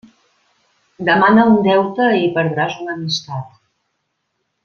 Demana un deute i perdràs una amistat.